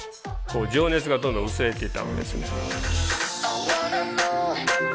情熱がどんどん薄れていったわけです。